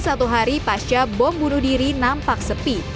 satu hari pasca bom bunuh diri nampak sepi